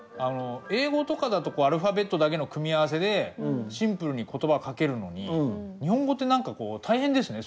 英語とかだとアルファベットだけの組み合わせでシンプルに言葉書けるのに日本語って何か大変ですね。